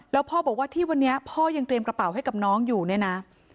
แล้วพ่อบอกว่าที่วันนี้พ่อยังเตรียมกระเป๋าให้กับน้องอยู่เนี่ยนะ